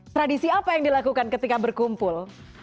tradisi apa yang dilakukan ketika berkumpul